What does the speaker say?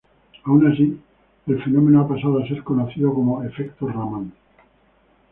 Aun así, el fenómeno ha pasado a ser conocido como "Efecto Raman".